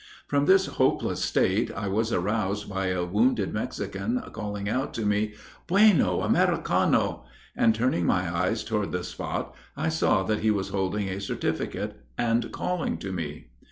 From this hopeless state I was aroused by a wounded Mexican, calling out to me, 'Bueno Americano,' and turning my eyes toward the spot, I saw that he was holding a certificate and calling to me.